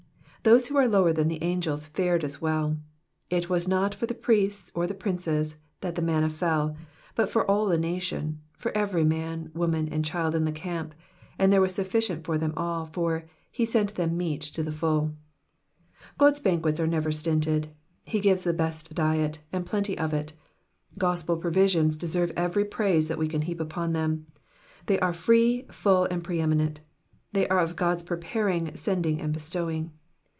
Those who are lower than the angels fared as well. It was not for the priests, or the princes, that the manna fell ; but for all the nation, for every man. Digitized by VjOOQIC 440 KXPOSITIONS OF THE PSALMS. woman, and child in the camp : and there was Bufficient for them all, for " he tent tfum meat to the fnlV* God's banquets are never stinted ; he gives the best diet, and plenty of it. Gospel provisions deserve every praise that we can heap upon them ; they are free, full, and pre eminent ; they are of God's pre paring, sending, and bestowing.